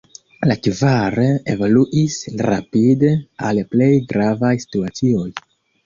La kvar evoluis rapide al plej gravaj situacioj.